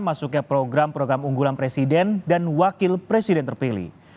masuknya program program unggulan presiden dan wakil presiden terpilih